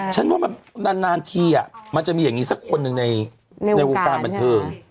ใช่ฉันว่านานที่มันจะมีแบบนี้สักคนในวงการบรรเทิง